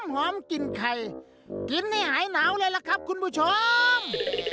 หอมกลิ่นไข่กินให้หายหนาวเลยล่ะครับคุณผู้ชม